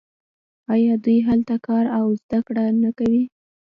آیا دوی هلته کار او زده کړه نه کوي؟